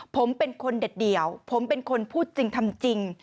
ผมเป็นคนเด็ดเดี่ยวผมเป็นคนพูดจริงทำจริง